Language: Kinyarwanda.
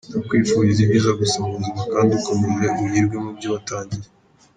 Ndakwifuriza ibyiza gusa mu buzima kandi ukomeje uhirwe mu byo watangiye.